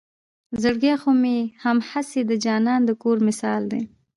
زړګے خو مې هم هسې د جانان د کور مثال دے